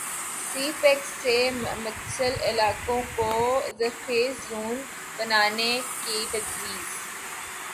سی pack سے متصل علاقوں کو ذرخیز زون بنانے کی تجویز